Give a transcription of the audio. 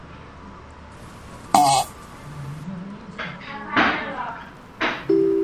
也有一种说法认为从铁处女流出的血会通过管子流入到伯爵夫人的浴室中。